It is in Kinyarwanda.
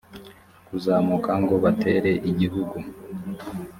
kuzamuka ngo batere igihugu